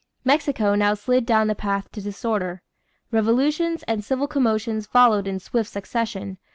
Mexico now slid down the path to disorder. Revolutions and civil commotions followed in swift succession.